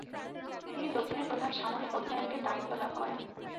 তিনি দক্ষিণের প্রধান সামরিক অধিনায়কের দায়িত্ব লাভ করেন।